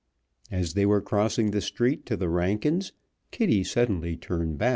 As they were crossing the street to the Rankins' Kitty suddenly turned back.